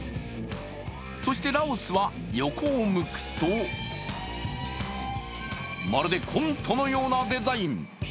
そしてラオスは横を向くとまるでコントのようなデザイン。